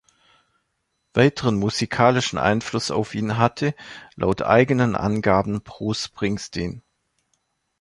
Weiteren musikalischen Einfluss auf ihn hatte, laut eigenen Angaben, Bruce Springsteen.